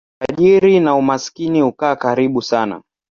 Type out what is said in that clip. Utajiri na umaskini hukaa karibu sana.